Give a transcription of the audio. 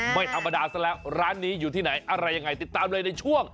ไม่ธรรมดาซะแล้วร้านนี้อยู่ที่ไหนอะไรยังไงติดตามเลยในช่วง